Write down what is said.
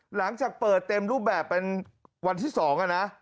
หลังจากเปิดเต็มรูปแบบเป็นวันที่๒นะ